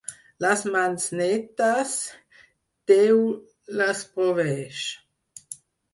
Les mans netes, Déu les proveeix.